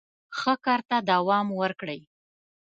ښه کار ته دوام ورکړئ.